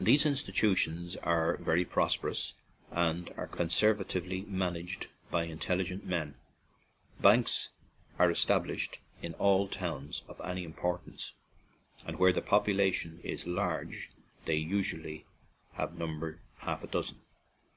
These institutions are very prosper ous and are conservatively managed by intelligent men. Banks are established in all towns of any importance, and where the population is large they usually number half a dozen.